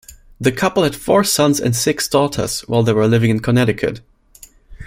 The couple had four sons and six daughters while they were living in Connecticut.